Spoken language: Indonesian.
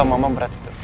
mama berat itu